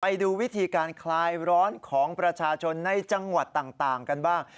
ไปดูวิธีการคลายร้อนของประชาชนในจังหวัดต่างกันบ้าง